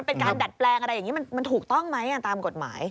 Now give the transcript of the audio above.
มันถูกต้องไหมตามกฎหมาย